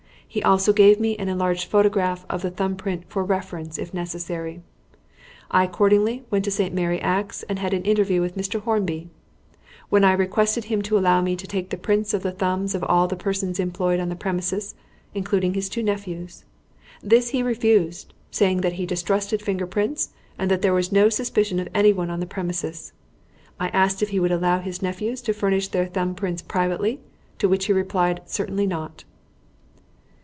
He also gave me an enlarged photograph of the thumb print for reference if necessary. I accordingly went to St. Mary Axe and had an interview with Mr. Hornby, when I requested him to allow me to take prints of the thumbs of all the persons employed on the premises, including his two nephews. This he refused, saying that he distrusted finger prints and that there was no suspicion of anyone on the premises. I asked if he would allow his nephews to furnish their thumb prints privately, to which he replied, 'Certainly not.'"